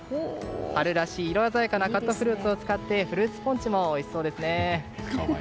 春らしい色鮮やかなカットフルーツを使ってフルーツポンチもおいしそうですね。